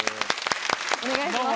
お願いします。